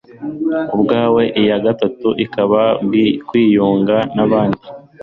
ubwawe, iya gatatu ikaba kwiyunga n'abandi